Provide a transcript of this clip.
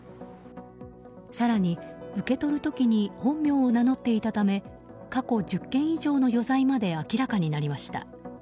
更に、受け取る時に本名を名乗っていたため過去１０件以上の余罪まで明らかになりました。